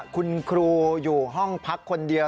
คุณครูอยู่ห้องพักคนเดียว